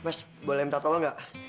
mas boleh minta tolong gak